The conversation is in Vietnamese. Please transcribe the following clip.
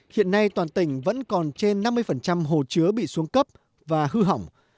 hiện nay toàn tỉnh vẫn còn trên năm mươi hồ chứa bị xuống cấp và hư hỏng